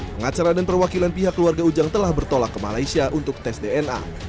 pengacara dan perwakilan pihak keluarga ujang telah bertolak ke malaysia untuk tes dna